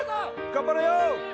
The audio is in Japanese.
頑張れよ！